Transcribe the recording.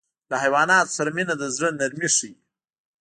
له حیواناتو سره مینه د زړه نرمي ښيي.